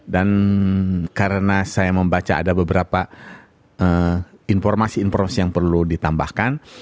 dan karena saya membaca ada beberapa informasi informasi yang perlu ditambahkan